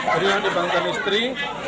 dari yang di bangkang istri